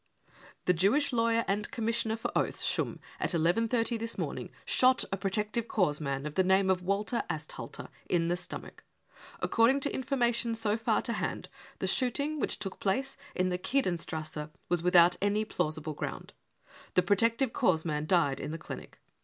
: The Jewish lawyer and com missioner for oaths Schumm at 11.30 this morning shot a protective corps man of the name of Walter Asthalter in the stomach ; according to information so far to hand, the shooting, which took place in the Kehdenstrasse, was without any plausible ground. .The protective corps man died in the Clinic.